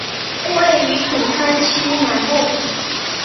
位于品川区南部。